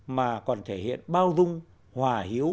mà còn thể hiện bao dung hòa hiếu